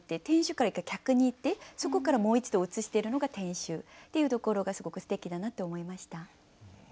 店主から客に行ってそこからもう一度移してるのが店主っていうところがすごくすてきだなって思いました。